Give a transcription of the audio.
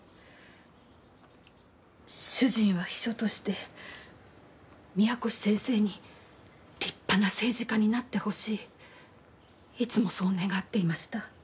主人は秘書として宮越先生に立派な政治家になってほしいいつもそう願っていました。